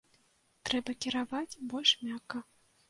Трэба кіраваць больш мякка.